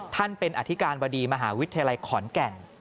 ท่านเป็นอธิการบดีมหาวิทยาลัยขอนแก่น